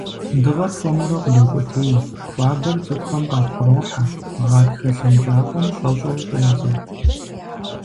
Дыгъэр хуэмурэ къыдокӀуэтей, хуабэр цӀыкӀухэм къапкърохьэ, гъатхэ лъэнкӀапӀэм щӀэщӀэу щӀедзэ.